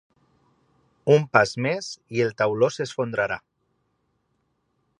Un pas més i el tauló s'esfondrarà.